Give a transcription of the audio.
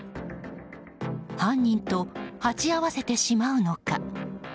犯人と鉢合わせてしまうのか。